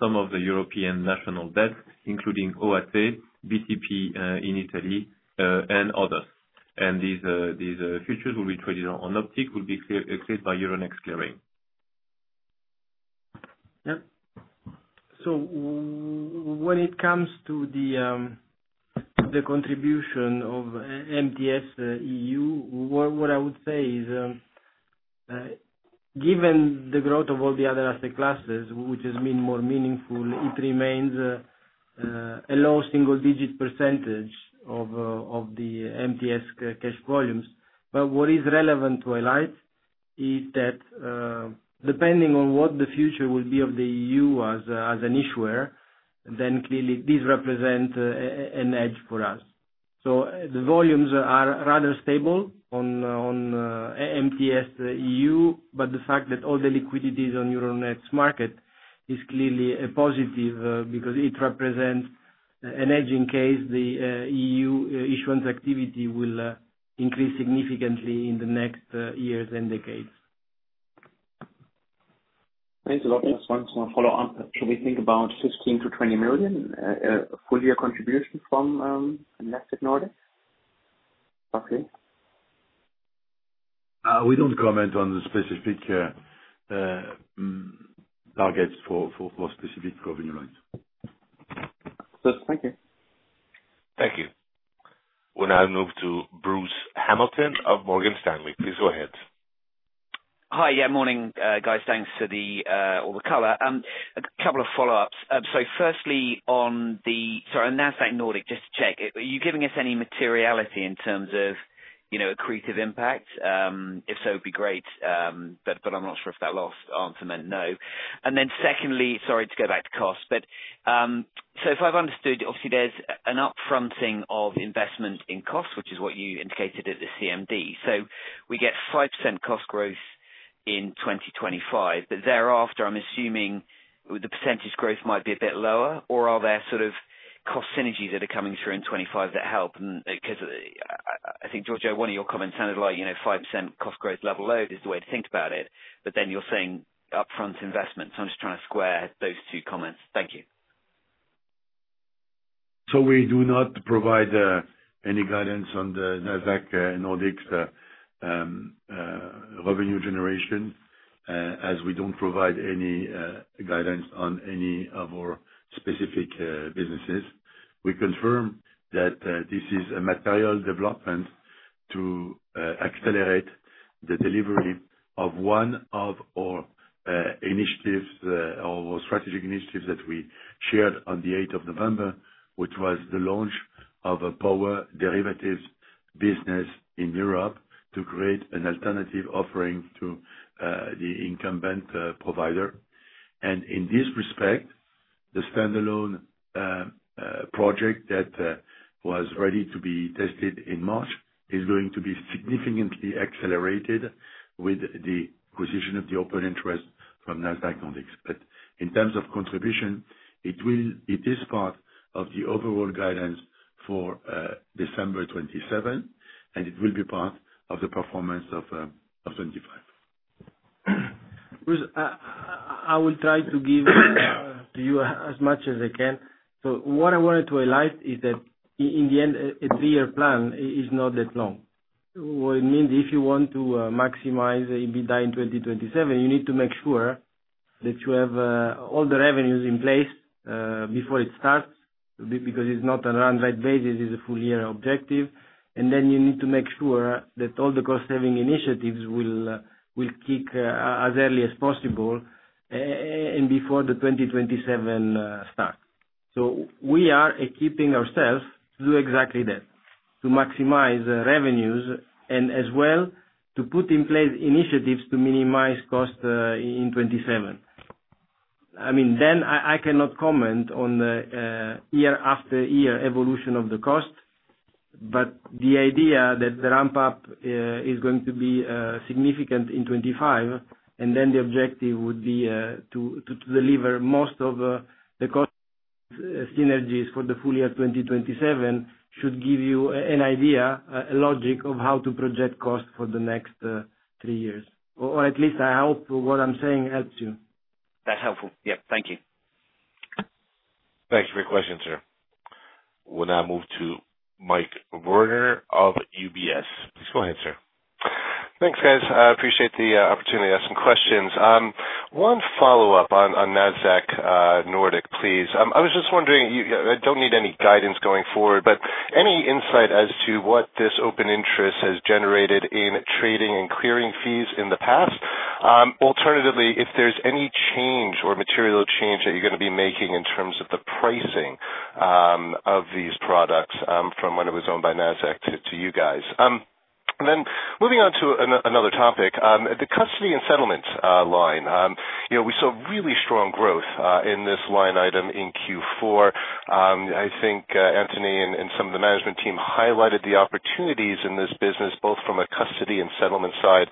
some of the European national debts, including OAT, BTP in Italy, and others. These futures will be traded on Optiq, will be cleared by Euronext Clearing. Yeah. When it comes to the contribution of MTS EU, what I would say is, given the growth of all the other asset classes, which has been more meaningful, it remains a low single-digit % of the MTS Cash volumes. But what is relevant to highlight is that, depending on what the future will be of the EU as an issuer, then clearly this represents an edge for us. The volumes are rather stable on MTS EU, but the fact that all the liquidity is on Euronext market is clearly a positive because it represents an edge in case the EU issuance activity will increase significantly in the next years and decades. Thank you. Just one small follow-up. Should we think about 15 million-20 million full-year contribution from Nasdaq Nordic? Roughly? We don't comment on the specific targets for specific revenue lines. Thank you. Thank you. We'll now move to Bruce Hamilton of Morgan Stanley. Please go ahead. Hi. Yeah. Morning, guys. Thanks for all the color. A couple of follow-ups. So firstly, sorry, on Nasdaq Nordic, just to check, are you giving us any materiality in terms of accretive impact? If so, it'd be great, but I'm not sure if that last answer meant no. And then secondly, sorry to go back to cost, but so if I've understood, obviously, there's an upfronting of investment in costs, which is what you indicated at the CMD. So we get 5% cost growth in 2025, but thereafter, I'm assuming the percentage growth might be a bit lower, or are there sort of cost synergies that are coming through in 2025 that help? Because I think, Giorgio, one of your comments sounded like 5% cost growth level load is the way to think about it, but then you're saying upfront investment. So I'm just trying to square those two comments. Thank you. So we do not provide any guidance on the Nasdaq Nordic revenue generation, as we don't provide any guidance on any of our specific businesses. We confirm that this is a material development to accelerate the delivery of one of our initiatives or strategic initiatives that we shared on the 8th of November, which was the launch of a power derivatives business in Europe to create an alternative offering to the incumbent provider. And in this respect, the standalone project that was ready to be tested in March is going to be significantly accelerated with the acquisition of the open interest from Nasdaq Nordic. But in terms of contribution, it is part of the overall guidance for December 2027, and it will be part of the performance of 2025. Bruce, I will try to give to you as much as I can. So what I wanted to highlight is that, in the end, a three-year plan is not that long. What it means, if you want to maximize EBITDA in 2027, you need to make sure that you have all the revenues in place before it starts because it's not a run rate basis. It's a full-year objective. And then you need to make sure that all the cost-saving initiatives will kick as early as possible and before the 2027 start. So we are equipping ourselves to do exactly that, to maximize revenues and as well to put in place initiatives to minimize cost in 2027. I mean, then I cannot comment on the year-after-year evolution of the cost, but the idea that the ramp-up is going to be significant in 2025, and then the objective would be to deliver most of the cost synergies for the full year 2027 should give you an idea, a logic of how to project cost for the next three years. Or at least I hope what I'm saying helps you. That's helpful. Yep. Thank you. Thanks for your question, sir. We'll now move to Mike Werner of UBS. Please go ahead, sir. Thanks, guys. I appreciate the opportunity to ask some questions. One follow-up on Nasdaq Nordic, please. I was just wondering, I don't need any guidance going forward, but any insight as to what this open interest has generated in trading and clearing fees in the past? Alternatively, if there's any change or material change that you're going to be making in terms of the pricing of these products from when it was owned by Nasdaq to you guys? And then moving on to another topic, the custody and settlement line. We saw really strong growth in this line item in Q4. I think Anthony and some of the management team highlighted the opportunities in this business, both from a custody and settlement side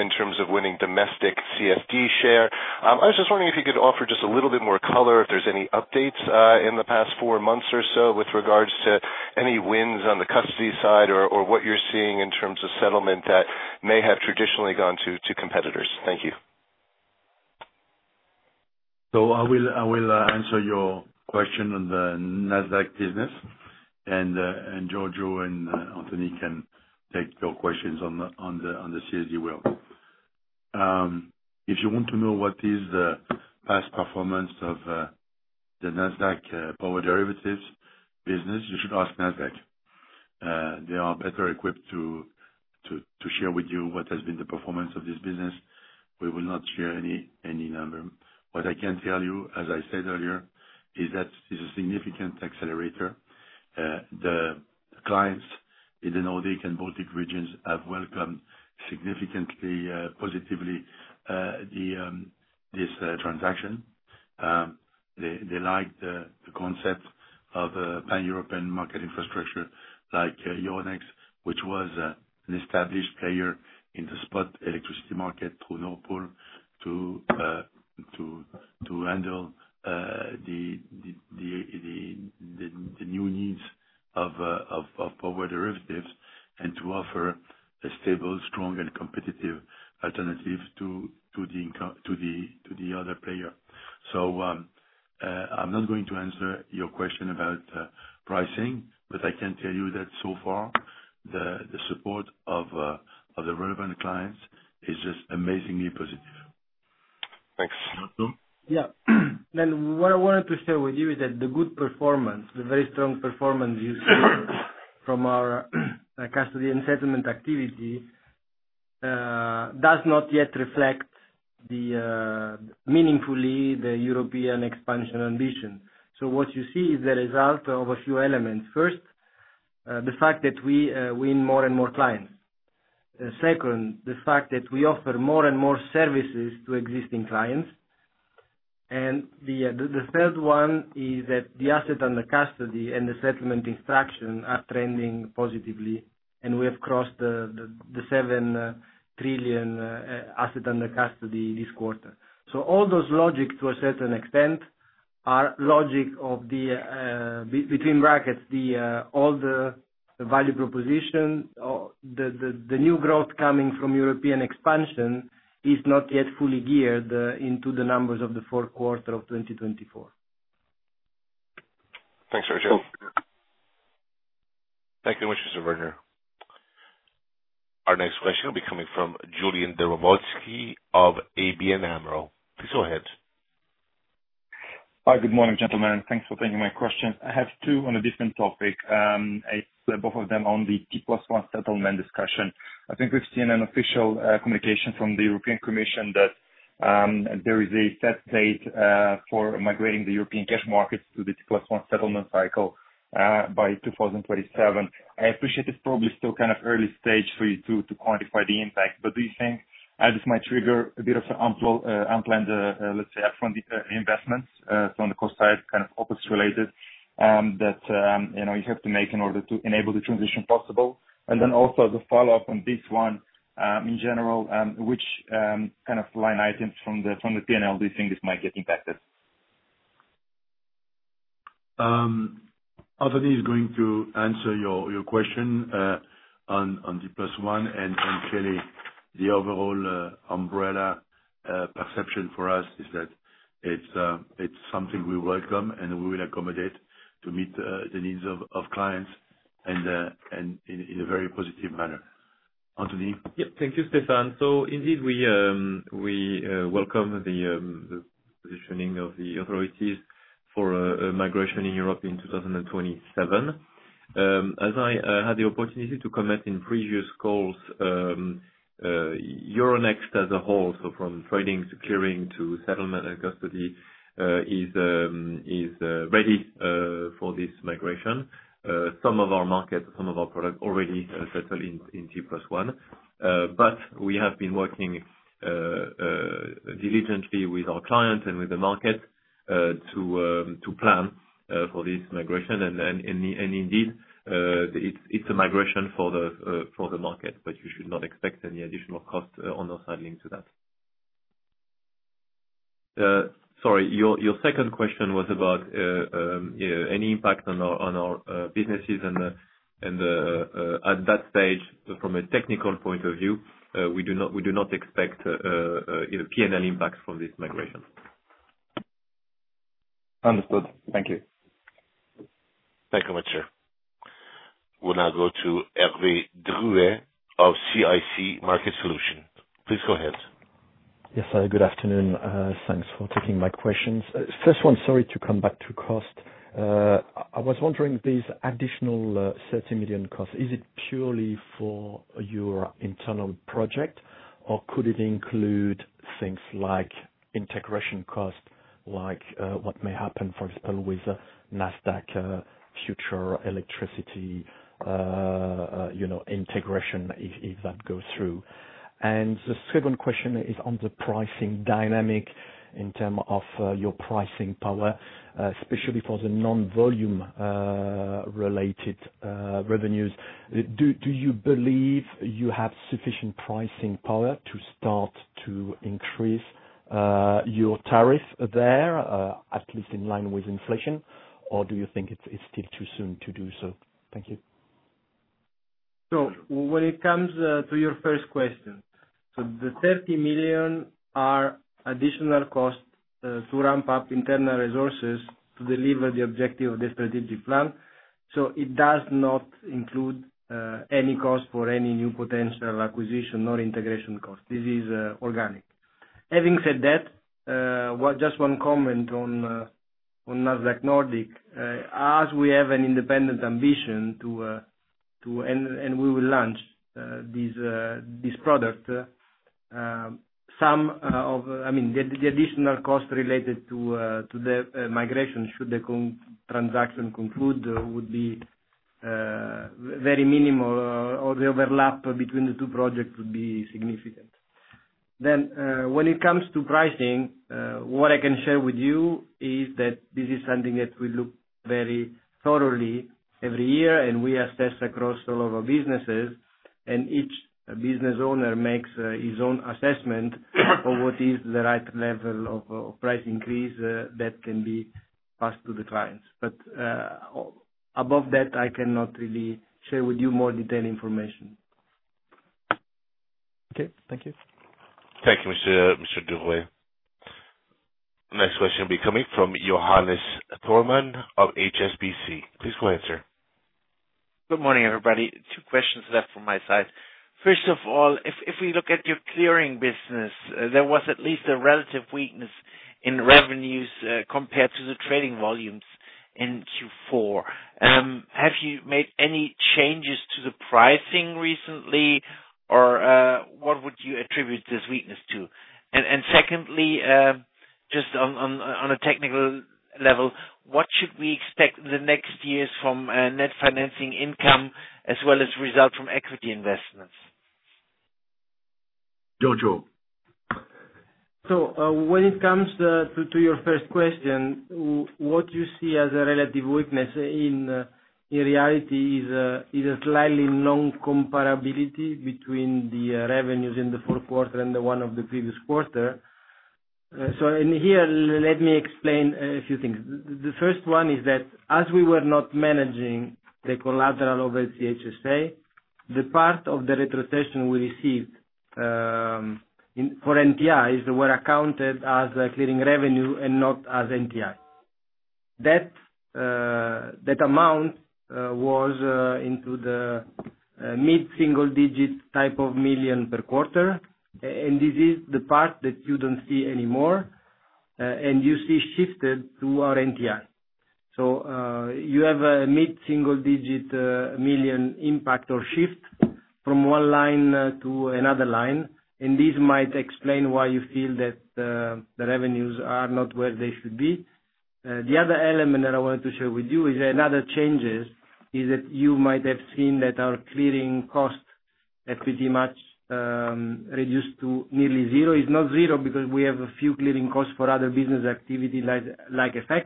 in terms of winning domestic CSD share. I was just wondering if you could offer just a little bit more color if there's any updates in the past four months or so with regards to any wins on the custody side or what you're seeing in terms of settlement that may have traditionally gone to competitors? Thank you. So I will answer your question on the Nasdaq business, and Giorgio and Anthony can take your questions on the CSD world. If you want to know what is the past performance of the Nasdaq power derivatives business, you should ask Nasdaq. They are better equipped to share with you what has been the performance of this business. We will not share any number. What I can tell you, as I said earlier, is that it's a significant accelerator. The clients in the Nordic and Baltic regions have welcomed significantly, positively this transaction. They like the concept of a pan-European market infrastructure like Euronext, which was an established player in the spot electricity market through Nord Pool to handle the new needs of power derivatives and to offer a stable, strong, and competitive alternative to the other player. I'm not going to answer your question about pricing, but I can tell you that so far, the support of the relevant clients is just amazingly positive. Thanks. Yeah. And what I wanted to share with you is that the good performance, the very strong performance you see from our custody and settlement activity does not yet reflect meaningfully the European expansion ambition. So what you see is the result of a few elements. First, the fact that we win more and more clients. Second, the fact that we offer more and more services to existing clients. And the third one is that the asset under custody and the settlement instruction are trending positively, and we have crossed the seven trillion asset under custody this quarter. So all those logics, to a certain extent, are logic of the, between brackets, the old value proposition. The new growth coming from European expansion is not yet fully baked into the numbers of the fourth quarter of 2024. Thanks, Giorgio. Thank you very much, Mr. Werner. Our next question will be coming from Iulian Dobrovolschi of ABN AMRO. Please go ahead. Hi. Good morning, gentlemen. Thanks for taking my question. I have two on a different topic. Both of them on the T+1 settlement discussion. I think we've seen an official communication from the European Commission that there is a set date for migrating the European cash markets to the T+1 settlement cycle by 2027. I appreciate it's probably still kind of early stage for you to quantify the impact, but do you think this might trigger a bit of unplanned, let's say, upfront investments on the cost side, kind of OpEx-related, that you have to make in order to enable the transition possible? And then also the follow-up on this one in general, which kind of line items from the P&L do you think this might get impacted? Anthony is going to answer your question on T+1, and clearly, the overall umbrella perception for us is that it's something we welcome and we will accommodate to meet the needs of clients in a very positive manner. Anthony? Yep. Thank you, Stéphane. So indeed, we welcome the positioning of the authorities for migration in Europe in 2027. As I had the opportunity to comment in previous calls, Euronext as a whole, so from trading to clearing to settlement and custody, is ready for this migration. Some of our markets, some of our products already settle in T+1, but we have been working diligently with our clients and with the market to plan for this migration. Indeed, it's a migration for the market, but you should not expect any additional costs on our side linked to that. Sorry, your second question was about any impact on our businesses. At that stage, from a technical point of view, we do not expect P&L impacts from this migration. Understood. Thank you. Thank you very much, sir. We'll now go to Hervé Drouet of CIC Market Solutions. Please go ahead. Yes, hi. Good afternoon. Thanks for taking my questions. First one, sorry to come back to cost. I was wondering, this additional 30 million cost, is it purely for your internal project, or could it include things like integration costs, like what may happen, for example, with Nasdaq Nordic electricity integration if that goes through? The second question is on the pricing dynamic in terms of your pricing power, especially for the non-volume-related revenues. Do you believe you have sufficient pricing power to start to increase your tariff there, at least in line with inflation, or do you think it's still too soon to do so? Thank you. So when it comes to your first question, so the 30 million are additional costs to ramp up internal resources to deliver the objective of the strategic plan. So it does not include any cost for any new potential acquisition or integration cost. This is organic. Having said that, just one comment on Nasdaq Nordic. As we have an independent ambition, and we will launch this product, some of, I mean, the additional cost related to the migration, should the transaction conclude, would be very minimal, or the overlap between the two projects would be significant. Then when it comes to pricing, what I can share with you is that this is something that we look very thoroughly every year, and we assess across all of our businesses, and each business owner makes his own assessment of what is the right level of price increase that can be passed to the clients. But above that, I cannot really share with you more detailed information. Okay. Thank you. Thank you, Mr. Drouet. Next question will be coming from Johannes Thormann of HSBC. Please go ahead, sir. Good morning, everybody. Two questions left from my side. First of all, if we look at your clearing business, there was at least a relative weakness in revenues compared to the trading volumes in Q4. Have you made any changes to the pricing recently, or what would you attribute this weakness to? And secondly, just on a technical level, what should we expect in the next years from net financing income as well as result from equity investments? Giorgio? So when it comes to your first question, what you see as a relative weakness in reality is a slightly non-comparability between the revenues in the fourth quarter and the one of the previous quarter. So here, let me explain a few things. The first one is that as we were not managing the collateral over LCH SA, the part of the retrocession we received for NTIs were accounted as clearing revenue and not as NTIs. That amount was into the mid-single-digit type of million per quarter, and this is the part that you don't see anymore, and you see shifted to our NTIs. So you have a mid-single-digit million impact or shift from one line to another line, and this might explain why you feel that the revenues are not where they should be. The other element that I wanted to share with you is another change, is that you might have seen that our clearing cost has pretty much reduced to nearly zero. It's not zero because we have a few clearing costs for other business activity like FX,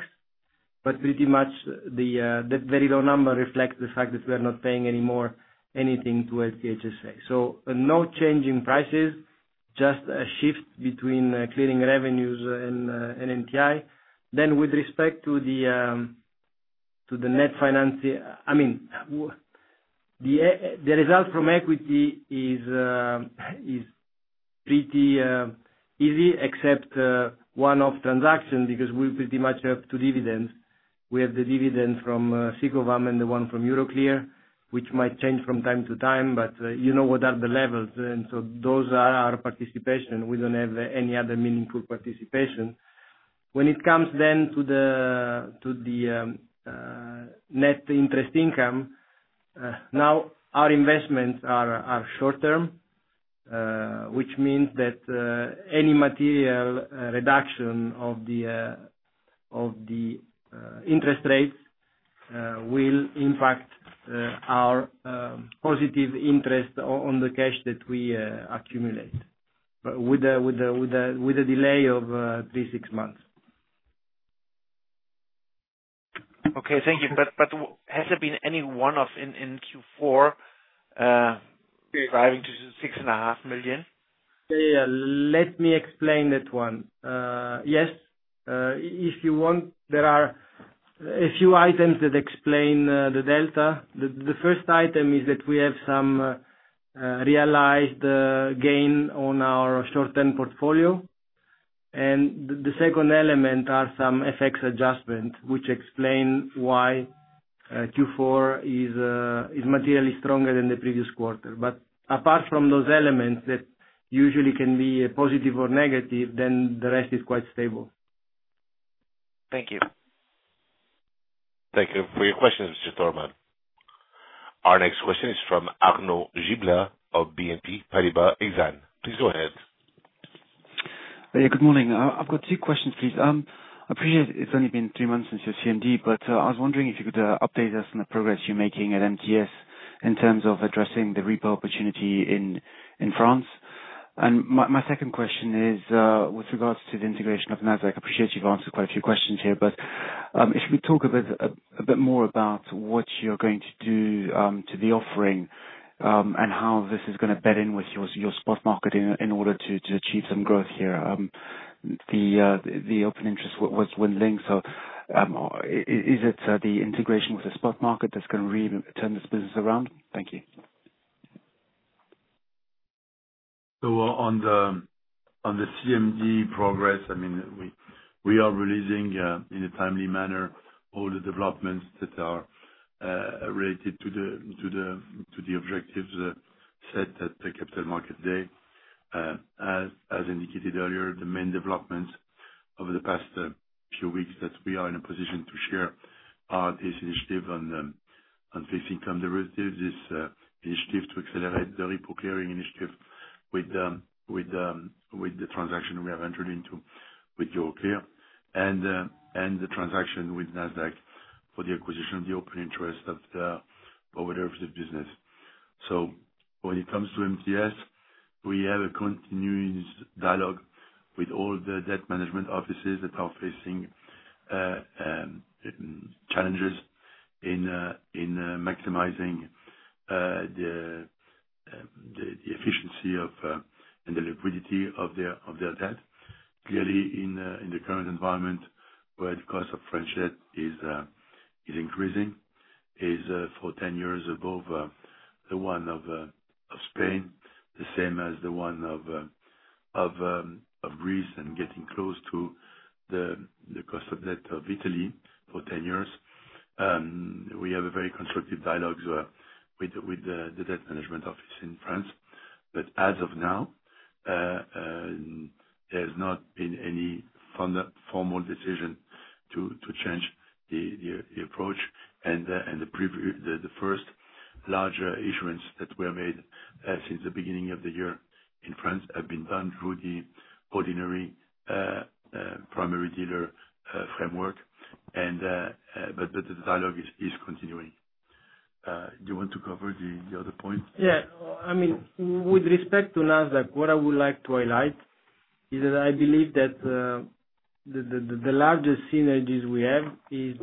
but pretty much that very low number reflects the fact that we are not paying anymore anything to LCH SA. So no change in prices, just a shift between clearing revenues and NTIs. Then with respect to the net finance, I mean, the result from equity is pretty easy, except one-off transaction because we pretty much have two dividends. We have the dividend from Sicovam and the one from Euroclear, which might change from time to time, but you know what are the levels. And so those are our participation. We don't have any other meaningful participation. When it comes then to the net interest income, now our investments are short-term, which means that any material reduction of the interest rates will impact our positive interest on the cash that we accumulate with a delay of three, six months. Okay. Thank you. But has there been any one-off in Q4 driving to 6.5 million? Yeah. Let me explain that one. Yes. If you want, there are a few items that explain the delta. The first item is that we have some realized gain on our short-term portfolio, and the second element are some FX adjustments, which explain why Q4 is materially stronger than the previous quarter. But apart from those elements that usually can be positive or negative, then the rest is quite stable. Thank you. Thank you for your questions, Mr. Thormann. Our next question is from Arnaud Giblat of BNP Paribas Exane. Please go ahead. Yeah. Good morning. I've got two questions, please. I appreciate it's only been three months since your CMD, but I was wondering if you could update us on the progress you're making at MTS in terms of addressing the repo opportunity in France. And my second question is with regards to the integration of Nasdaq. I appreciate you've answered quite a few questions here, but if we talk a bit more about what you're going to do to the offering and how this is going to bed in with your spot market in order to achieve some growth here. The open interest was winding. So is it the integration with the spot market that's going to really turn this business around? Thank you. So on the CMD progress, I mean, we are releasing in a timely manner all the developments that are related to the objectives set at the Capital Markets Day. As indicated earlier, the main developments over the past few weeks that we are in a position to share are this initiative on fixed income derivatives, this initiative to accelerate the repo clearing initiative with the transaction we have entered into with Euroclear, and the transaction with Nasdaq for the acquisition of the open interest of the Nordic business. So when it comes to MTS, we have a continuous dialogue with all the debt management offices that are facing challenges in maximizing the efficiency and the liquidity of their debt. Clearly, in the current environment where the cost of French debt is increasing, is for 10 years above the one of Spain, the same as the one of Greece, and getting close to the cost of debt of Italy for 10 years. We have a very constructive dialogue with the debt management office in France, but as of now, there has not been any formal decision to change the approach, and the first larger issuance that we have made since the beginning of the year in France has been done through the ordinary primary dealer framework, but the dialogue is continuing. Do you want to cover the other point? Yeah. I mean, with respect to Nasdaq, what I would like to highlight is that I believe that the largest synergies we have is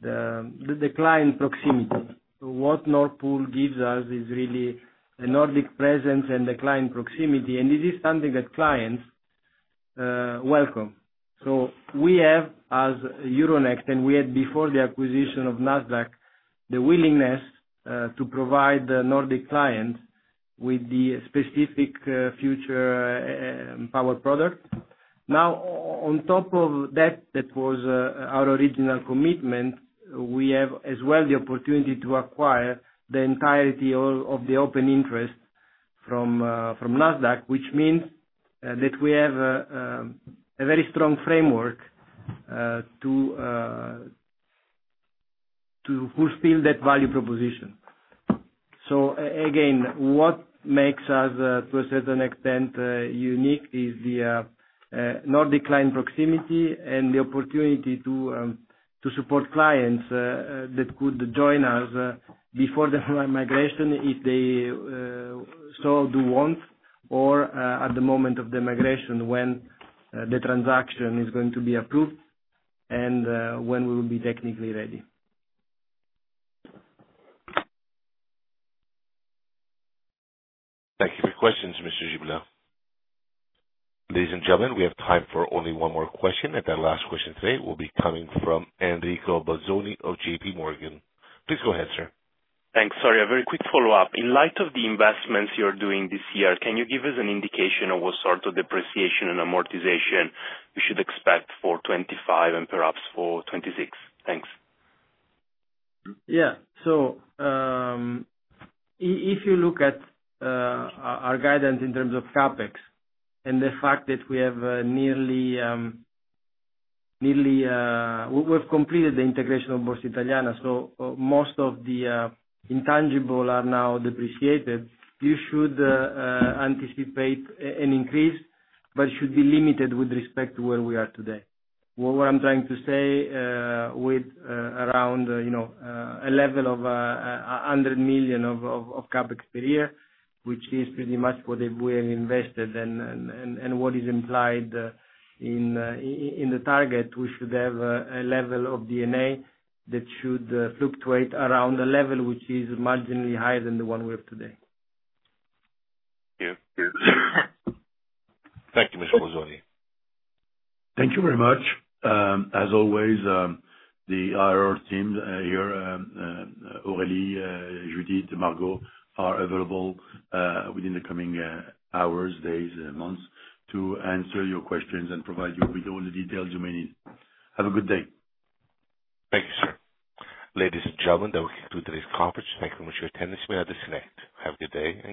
the client proximity. What Nord Pool gives us is really a Nordic presence and the client proximity, and this is something that clients welcome. So we have, as Euronext, and we had before the acquisition of Nasdaq, the willingness to provide the Nordic clients with the specific future power product. Now, on top of that, that was our original commitment, we have as well the opportunity to acquire the entirety of the open interest from Nasdaq, which means that we have a very strong framework to fulfill that value proposition. So again, what makes us, to a certain extent, unique is the Nordic client proximity and the opportunity to support clients that could join us before the migration if they so do want, or at the moment of the migration when the transaction is going to be approved and when we will be technically ready. Thank you for your questions, Mr. Giblat. Ladies and gentlemen, we have time for only one more question, and that last question today will be coming from Enrico Bolzoni of JPMorgan. Please go ahead, sir. Thanks. Sorry, a very quick follow-up. In light of the investments you're doing this year, can you give us an indication of what sort of depreciation and amortization we should expect for 2025 and perhaps for 2026? Thanks. Yeah, so if you look at our guidance in terms of CapEx and the fact that we have nearly completed the integration of Borsa Italiana, so most of the intangibles are now depreciated, you should anticipate an increase, but it should be limited with respect to where we are today. What I'm trying to say with around a level of 100 million of CapEx per year, which is pretty much what we have invested and what is implied in the target, we should have a level of D&A that should fluctuate around a level which is marginally higher than the one we have today. Thank you. Thank you, Mr. Bolzoni. Thank you very much. As always, the IR teams here, Aurélie, Judith, and Margaux are available within the coming hours, days, and months to answer your questions and provide you with all the details you may need. Have a good day. Thank you, sir. Ladies and gentlemen, that will conclude today's conference. Thank you very much for your attendance. We now disconnect. Have a good day.